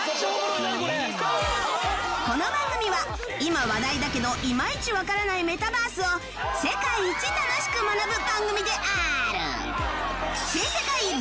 この番組は今話題だけどいまいちわからないメタバースを世界一楽しく学ぶ番組である